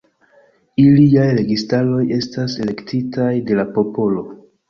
Iliaj registaroj estas elektitaj de la popolo.